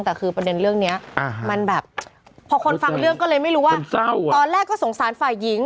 แต่คือประเด็นเรื่องนี้มันแบบพอคนฟังเรื่องก็เลยไม่รู้ว่าตอนแรกก็สงสารฝ่ายหญิง